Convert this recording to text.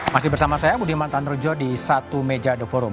masih bersama saya budi mantan rejo di satu meja the forum